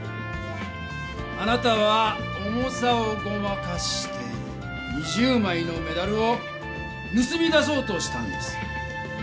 あなたは重さをごまかして２０枚のメダルをぬすみ出そうとしたんです。